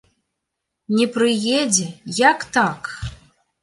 Не прыедзе, як так?